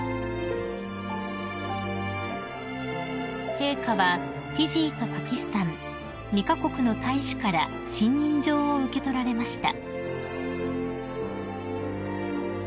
［陛下はフィジーとパキスタン２カ国の大使から信任状を受け取られました］